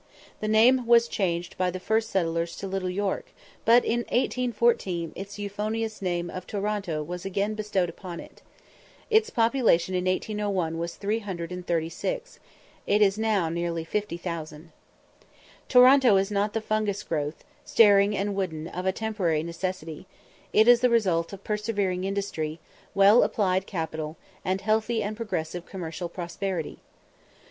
The name was changed by the first settlers to Little York, but in 1814 its euphonious name of Toronto was again bestowed upon it. Its population in 1801 was 336; it is now nearly 50,000. Toronto is not the fungus growth, staring and wooden, of a temporary necessity; it is the result of persevering industry, well applied capital, and healthy and progressive commercial prosperity.